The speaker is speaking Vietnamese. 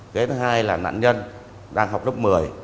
cái thứ hai là nạn nhân đang học lớp một mươi